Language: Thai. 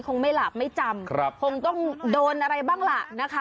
คงไม่หลาบไม่จำคงต้องโดนอะไรบ้างล่ะนะคะ